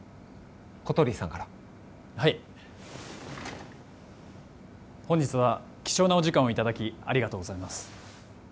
小鳥さんからはい本日は貴重なお時間をいただきありがとうございます